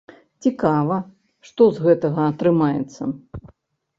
Цікава, што з гэтага атрымаецца.